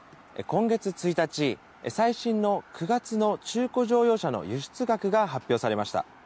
今月１日、最新の９月の中古乗用車の輸出額が発表されました。